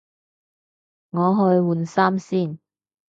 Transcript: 我去換衫先